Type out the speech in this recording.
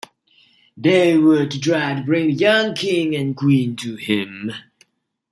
They were to try to bring the young King and Queen to him.